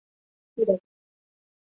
博奥西扬。